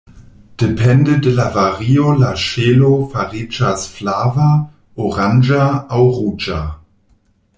Depende de la vario la ŝelo fariĝas flava, oranĝa aŭ ruĝa.